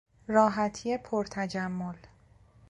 راحتی پرتجمل